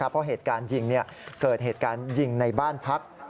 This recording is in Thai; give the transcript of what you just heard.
เพราะเกิดเหตุการณ์ยิงในบ้านพัก